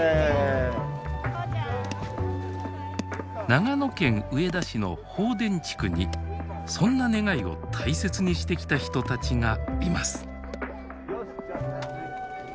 長野県上田市の豊殿地区にそんな願いを大切にしてきた人たちがいます。